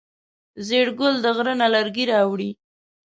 زیړ ګل د غره نه لرګی راوړی.